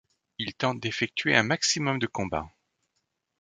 Ils tentent d'effectuer un maximum de combats.